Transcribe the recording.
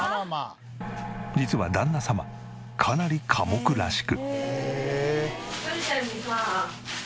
実は旦那様かなり寡黙らしく。